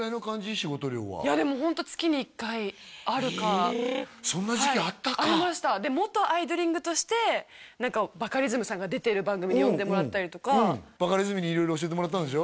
仕事量はいやでもホントえっそんな時期あったかありました元アイドリング！！！としてバカリズムさんが出てる番組に呼んでもらったりとかバカリズムに色々教えてもらったんでしょ？